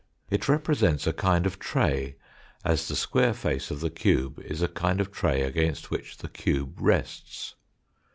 It represents a kind of tray, as the square face of the cube is a kind of tray against which the cube rests.